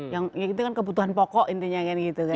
yang itu kan kebutuhan pokok intinya kan gitu kan